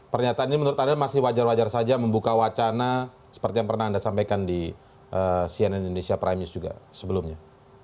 pernyataan ini menurut anda masih wajar wajar saja membuka wacana seperti yang pernah anda sampaikan di cnn indonesia prime news juga sebelumnya